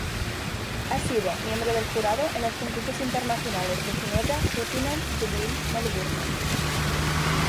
Ha sido miembro del jurado en los concursos internacionales de Ginebra, Épinal, Dublín, Melbourne.